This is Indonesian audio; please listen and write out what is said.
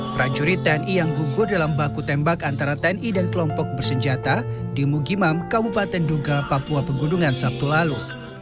prajurit tni yang gugur dalam baku tembak antara tni dan kelompok bersenjata di mugimam kabupaten duga papua pegunungan sabtu lalu